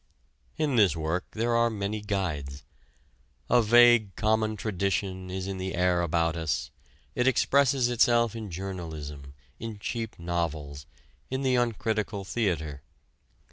In this work there are many guides. A vague common tradition is in the air about us it expresses itself in journalism, in cheap novels, in the uncritical theater.